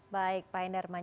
baik pak enderman